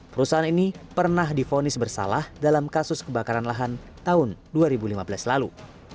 perusahaan ini pernah difonis bersalah dalam kasus kebakaran lahan tahun dua ribu lima belas lalu